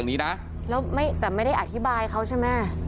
ยังนี้นะไม่ได้อธิบายเขาใช่มั้ย